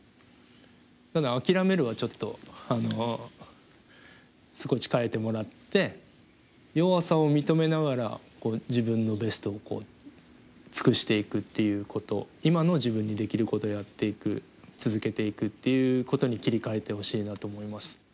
ただ「諦める」はちょっとあの少し変えてもらって弱さを認めながら自分のベストを尽くしていくっていうこと今の自分にできることをやっていく続けていくっていうことに切り替えてほしいなと思います。